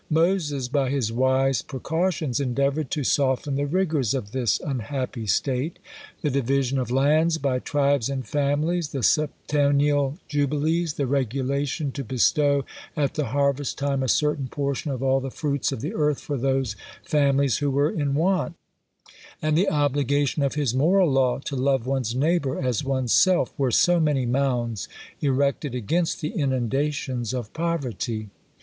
Moses, by his wise precautions, endeavoured to soften the rigours of this unhappy state. The division of lands, by tribes and families; the septennial jubilees; the regulation to bestow at the harvest time a certain portion of all the fruits of the earth for those families who were in want; and the obligation of his moral law to love one's neighbour as one's self; were so many mounds erected against the inundations of poverty.